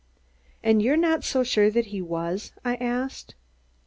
"And you're not sure that he was?" I asked.